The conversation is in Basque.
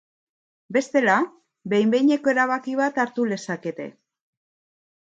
Bestela, behin-behineko erabaki bat hartu lezakete.